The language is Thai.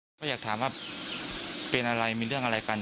คุณผู้แจ้งบังเกิดว่าเป็นอะไรมีเรื่องอะไรกัน